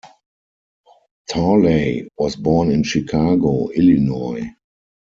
Talley was born in Chicago, Illinois.